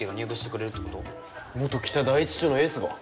元北第一中のエースが？